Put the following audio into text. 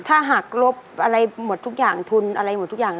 ถ้าหักลบอะไรหมดทุกอย่างทุนอะไรหมดทุกอย่าง